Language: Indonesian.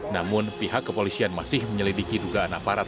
namun pihak kepolisian masih menyelidiki dugaan aparat